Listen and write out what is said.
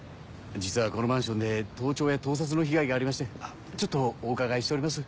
実はこのマンションで盗聴や盗撮の被害がありましてちょっとお伺いしております。